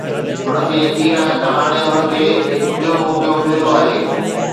هن کي يقين آهي ته هاڻي هن کي هڪ ٻيو موقعو مليو آهي.